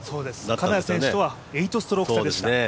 金谷選手とは８ストローク差でした。